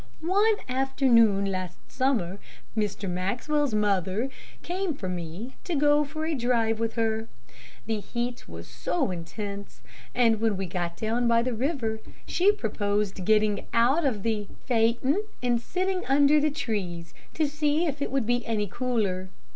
"One afternoon last summer, Mr. Maxwell's mother came for me to go for a drive with her. The heat was intense, and when we got down by the river, she proposed getting out of the phaeton and sitting under the trees, to see if it would be any cooler.